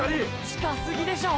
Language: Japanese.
近すぎでしょ！